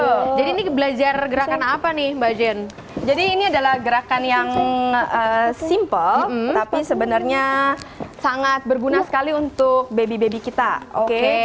betul jadi ini belajar gerakan apa nih mbak jen jadi ini adalah gerakan yang simple tapi sebenarnya sangat berguna sekali untuk baby baby kita oke